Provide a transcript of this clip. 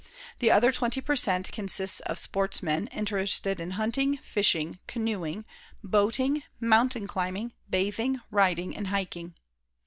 The other twenty per cent. consists of sportsmen interested in hunting, fishing, canoeing, boating, mountain climbing, bathing, riding and hiking.